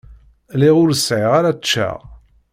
Lliɣ ur sɛiɣ ara ččeɣ.